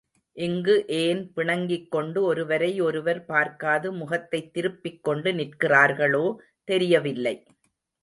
இங்கு ஏன் பிணங்கிக் கொண்டு ஒருவரை ஒருவர் பார்க்காது முகத்தைத் திருப்பிக் கொண்டு நிற்கிறார்களோ தெரியவில்லை.